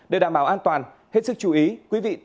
để đảm bảo an toàn hết sức chú ý